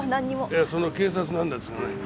いやその警察なんですがね